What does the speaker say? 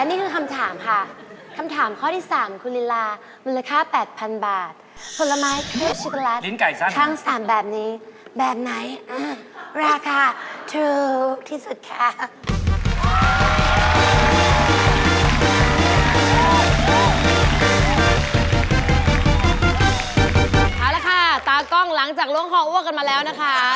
เอาล่ะค่ะตาร์กล้องลังจากร่วงฮเขาอ้วกกันมาแล้วนะคะ